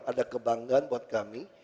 ada kebanggaan buat kami